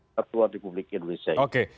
ketua republik indonesia